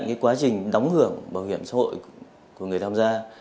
ghi nhận quá trình đóng hưởng bảo hiểm xã hội của người tham gia